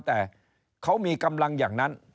แต่เขามีกำลังอย่างนั้น